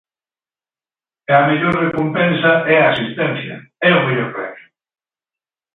E a mellor recompensa é a asistencia, é o mellor premio.